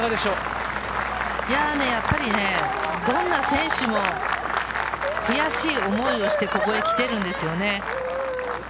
どんな選手も悔しい思いをして、ここへ来ているんですよね。